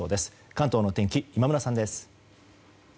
関東の天気、今村さんです。